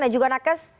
dan juga nakes